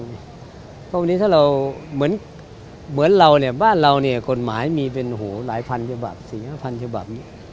เพราะวันนี้ถ้าเราเหมือนเราเนี่ยบ้านเรากฎหมายมีเป็นหลายพันธุ์ภาพ๔๕พันธุ์ภาพ